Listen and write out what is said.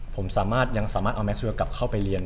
ผมสามารถยังสามารถเอาแมชเวียกลับเข้าไปเรียน